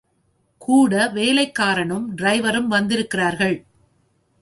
கூட வேலைக்காரனும் ட்ரைவரும் வந்திருக்கிறார்கள்.